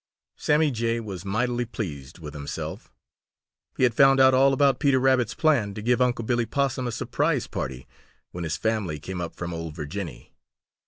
Sammy Jay was mightily pleased with himself. He had found out all about Peter Rabbit's plan to give Unc' Billy Possum a surprise party when his family came up from "Ol' Virginny."